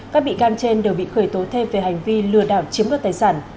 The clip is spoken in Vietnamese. các bị can trên đều bị khởi tố thêm về hành vi lừa đảo chiếm đoạt tài sản